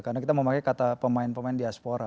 karena kita memakai kata pemain pemain diaspora